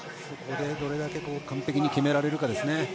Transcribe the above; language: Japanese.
そこでどれだけ完璧に決められるかですね。